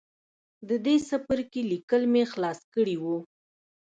د دې څپرکي ليکل مې خلاص کړي وو